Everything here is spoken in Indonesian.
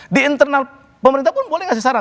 di internal pemerintah pun boleh ngasih saran